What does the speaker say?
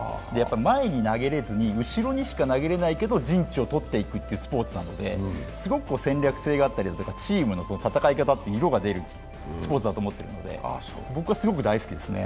前に投げれずに後ろにしか投げれないけど陣地を取っていくというスポーツなのですごく戦略性があったりチームの戦い方って色が出るスポーツだと思っているので、僕はすごく大好きですね。